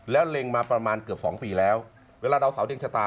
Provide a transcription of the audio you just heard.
แล้วเล็งมาประมาณเกือบ๒ปีแล้วเวลาดาวเสาเล็งชะตา